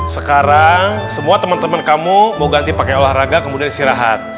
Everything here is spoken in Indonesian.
sekarang semua teman teman kamu mau ganti pakai olahraga kemudian istirahat